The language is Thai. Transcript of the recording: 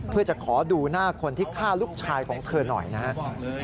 เพื่อจะขอดูหน้าคนที่ฆ่าลูกชายของเธอหน่อยนะครับ